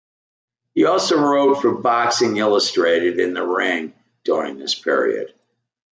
He also wrote for "Boxing Illustrated" and "The Ring" during this period.